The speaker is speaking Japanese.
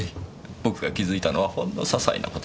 僕が気付いたのはほんの些細な事です。